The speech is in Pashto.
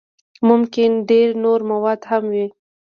ممکن ډېر نور موارد هم وي.